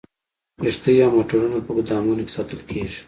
کښتۍ او موټرونه په ګودامونو کې ساتل کیږي